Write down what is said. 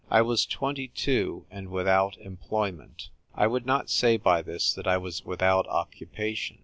I WAS twenty twO; and without employ ment. I would not say by this that I was without occupation.